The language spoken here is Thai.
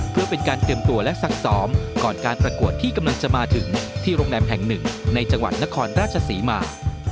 เพื่อเป็นการเตรียมตัวและซักซ้อมก่อนการประกวดที่กำลังจะมาถึงที่โรงแรมแห่งหนึ่งในจังหวัดนครราชศรีมา